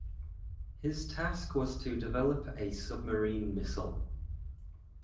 His task was to develop a submarine missile.